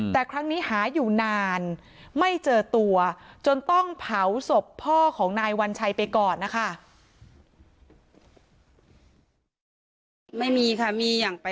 แต่ครั้งนี้หาอยู่นานไม่เจอตัวจนต้องเผาศพพ่อของนายวัญชัยไปก่อนนะคะ